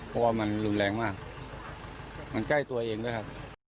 เพราะว่ามันรุนแรงมากมันใกล้ตัวเองด้วยครับ